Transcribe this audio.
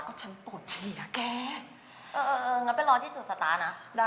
ทำไมไม่ไปที่จุดสตาร์ทอะ